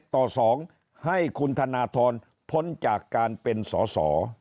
ต่อ๒ให้คุณธนทรพ้นจากการเป็นสอสอ